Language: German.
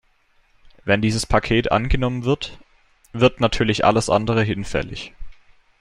Wenn dieses Paket angenommen wird, wird natürlich alles andere hinfällig.